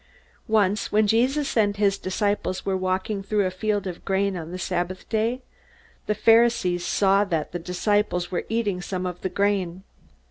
Once, when Jesus and his disciples were walking through a field of grain on the Sabbath Day, the Pharisees saw that the disciples were eating some of the grain.